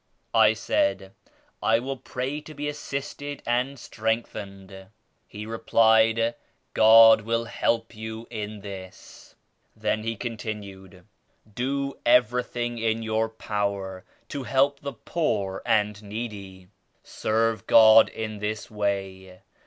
I said "I will pray to be assisted and strength 40 ened." He replied "God will help you in this." Then he continued "Do everything in your power to help the poor and needy. Serve God in this way.